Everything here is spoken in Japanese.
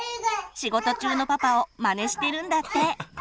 仕事中のパパをまねしてるんだって。